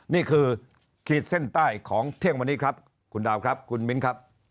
นี่คือขีดเส้นใต้ของเที่ยงวันนี้ครับคุณดาวครับคุณมิ้นครับ